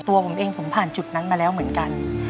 ตัวผมเองผมผ่านจุดนั้นมาแล้วเหมือนกัน